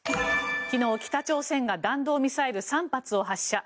昨日、北朝鮮が弾道ミサイル３発を発射。